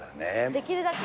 できるだけ